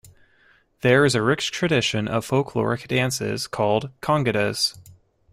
There is a rich tradition of folkloric dances called congadas.